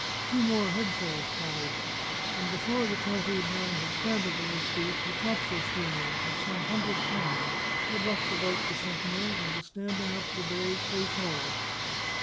Two more headsails followed; and before the tattooed man had scrambled to his feet, a topsail schooner, of some hundred tons, had luffed about the sentinel and was standing up the bay, close hauled.